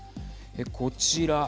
こちら。